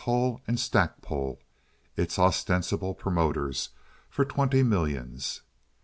Hull and Stackpole, its ostensible promoters, for twenty millions.